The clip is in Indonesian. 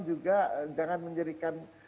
juga jangan menjadikan